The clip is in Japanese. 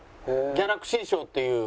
ギャラクシー賞っていう。